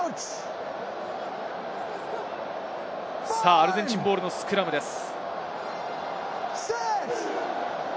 アルゼンチンボールのスクラムです。